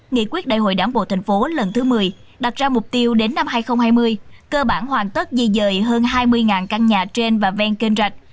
nghị quyết đại hội đảng bộ thành phố lần thứ một mươi đặt ra mục tiêu đến năm hai nghìn hai mươi cơ bản hoàn tất di dời hơn hai mươi căn nhà trên và ven kênh rạch